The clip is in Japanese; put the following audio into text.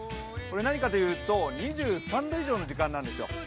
何かというと２３度以上の時間なんですよ。